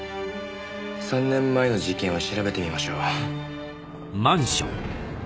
３年前の事件を調べてみましょう。